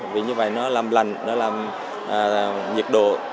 vì như vậy nó làm lành nó làm nhiệt độ